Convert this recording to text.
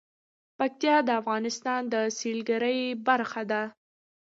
پکتیکا د افغانستان د سیلګرۍ برخه ده.